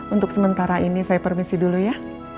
untuk sementara ini saya permisi dulu ya